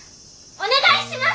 お願いします！